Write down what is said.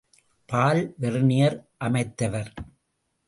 பால் Vernier அமைத்தவர்.